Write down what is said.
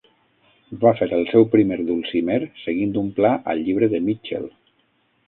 Va fer el seu primer dulcimer seguint un pla al llibre de Mitchell.